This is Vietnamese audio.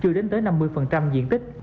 chưa đến tới năm mươi diện tích